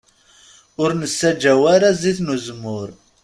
Ur nessaǧaw ara zzit n uzemmur.